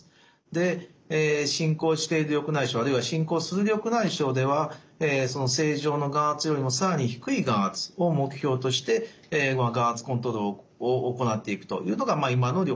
で進行している緑内障あるいは進行する緑内障では正常の眼圧よりも更に低い眼圧を目標として眼圧コントロールを行っていくというのが今の緑内障の治療です。